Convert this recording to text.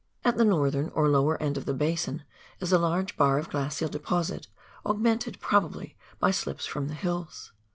At the northern or lower end of the basin is a large bar of glacial deposit, augmented possibly by slips from the hills.